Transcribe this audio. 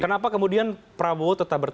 kenapa kemudian prabowo tetap bertahan di banten